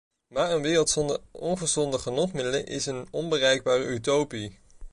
Maar een wereld zonder ongezonde genotmiddelen is een onbereikbare utopie.